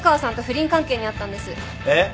えっ！？